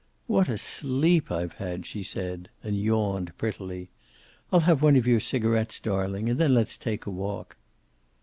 "What a sleep I've had," she said, and yawned prettily. "I'll have one of your cigarets, darling, and then let's take a walk."